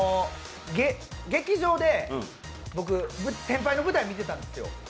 劇場で先輩の舞台見てたんですよ。